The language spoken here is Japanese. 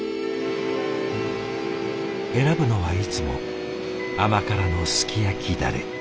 選ぶのはいつも甘辛のすき焼きダレ。